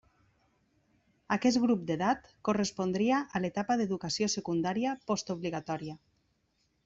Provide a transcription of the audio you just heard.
Aquest grup d'edat correspondria a l'etapa d'educació secundària post obligatòria.